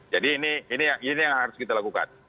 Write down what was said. jadi ini yang harus kita lakukan